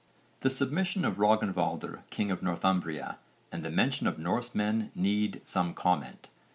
The submission of Rögnvaldr, king of Northumbria and the mention of Norsemen need some comment.